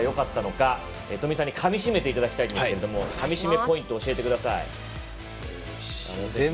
山本選手のどこがよかったのか富井さんにかみしめていただきたいですがかみしめポイントを教えてください。